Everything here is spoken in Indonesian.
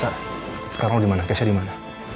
sa sekarang lo dimana keisha dimana